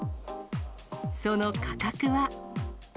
その価格は。